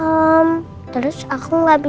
tapi kita harus cari daun kering om baik